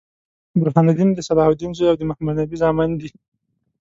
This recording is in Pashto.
برهان الدين د صلاح الدین زوي او د محمدنبي زامن دي.